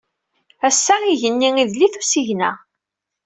Ass-a, igenni idel-it usigna.